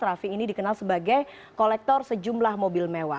raffi ini dikenal sebagai kolektor sejumlah mobil mewah